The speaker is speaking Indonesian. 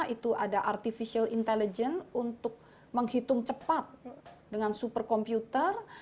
itu ada artificial intelligence untuk menghitung cepat dengan super komputer